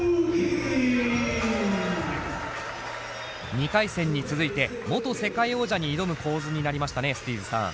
２回戦に続いて元世界王者に挑む構図になりましたねＳｔｅｅｚさん。